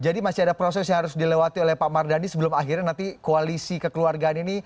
masih ada proses yang harus dilewati oleh pak mardhani sebelum akhirnya nanti koalisi kekeluargaan ini